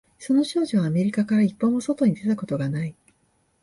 その少女はアメリカから一歩も外に出たことがない